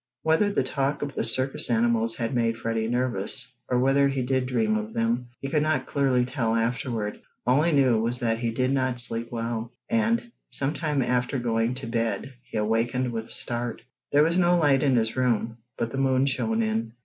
Whether the talk of the circus animals had made Freddie nervous, or whether he did dream of them, he could not clearly tell afterward. All he knew was that he did not sleep well, and, some time after going to bed he awakened with a start. There was no light in his room, but the moon shone in.